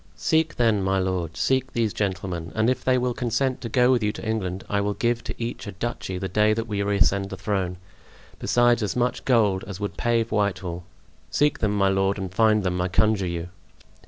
"Seek, then, my lord, seek these gentlemen; and if they will consent to go with you to England, I will give to each a duchy the day that we reascend the throne, besides as much gold as would pave Whitehall. Seek them, my lord, and find them, I conjure you."